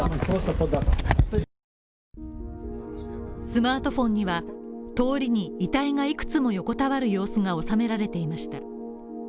スマートフォンには、通りに遺体がいくつも横たわる様子がおさめられていました。